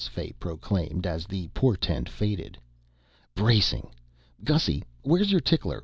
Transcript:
Fay proclaimed as the portent faded. "Bracing! Gussy, where's your tickler?